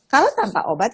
kalau tanpa obat